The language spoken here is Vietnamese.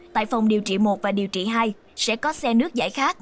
tại phòng điều trị một và điều trị hai sẽ có xe nước giải khát